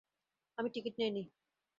আমি টিকিট নেইনি।